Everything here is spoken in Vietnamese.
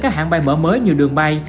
các hãng bay mở mới như đường bay